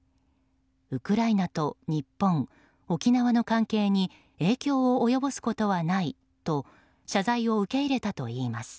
ウクライナと日本、沖縄の関係に影響を及ぼすことはないと謝罪を受け入れたといいます。